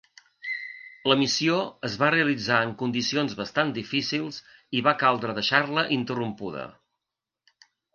La missió es va realitzar en condicions bastant difícils i va caldre deixar-la interrompuda.